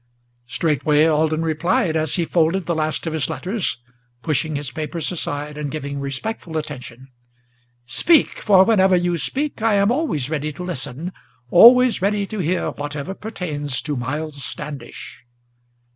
Straightway Alden replied, as he folded the last of his letters, Pushing his papers aside, and giving respectful attention: "Speak; for whenever you speak, I am always ready to listen, Always ready to hear whatever pertains to Miles Standish."